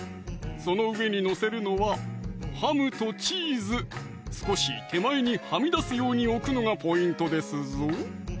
その上に載せるのはハムとチーズ少し手前にはみ出すように置くのがポイントですぞ！